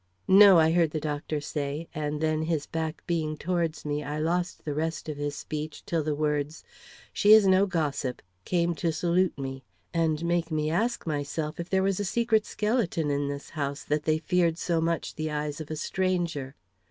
"No," I heard the doctor say, and then, his back being towards me, I lost the rest of his speech till the words, "She is no gossip," came to salute me and make me ask myself if there was a secret skeleton in this house, that they feared so much the eyes of a stranger.